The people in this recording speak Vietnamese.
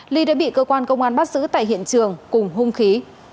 ly đã bị cơ quan công an bắt giữ tại hiện trường cùng hung khí